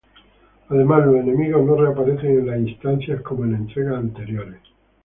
Además los enemigos no reaparecen en las instancias como en entregas anteriores.